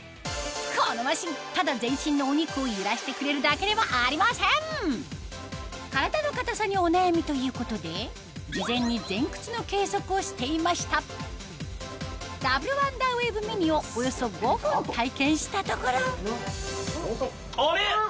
このマシンただ全身のお肉を揺らしてくれるだけではありません体の硬さにお悩みということで事前に前屈の計測をしていましたダブルワンダーウェーブミニをおよそ５分体験したところあれ！